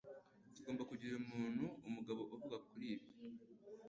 Tugomba kugira umuntu-mugabo avuga kuri ibi.